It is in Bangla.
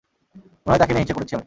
মনে হয় তাকে নিয়ে হিংসে করছি আমি!